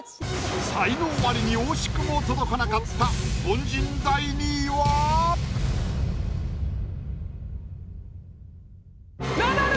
才能アリに惜しくも届かなかったナダル！